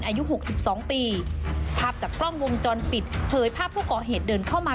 อายุหกสิบสองปีภาพจากกล้องวงจรปิดเผยภาพผู้ก่อเหตุเดินเข้ามา